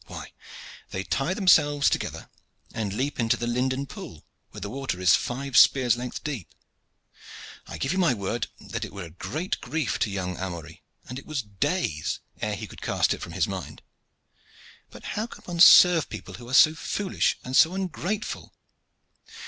Why, they tie themselves together and leap into the Linden Pool, where the water is five spears' lengths deep. I give you my word that it was a great grief to young Amory, and it was days ere he could cast it from his mind. But how can one serve people who are so foolish and so ungrateful?"